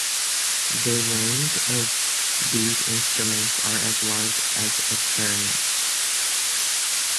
They range of these instruments are as large as a clarinet.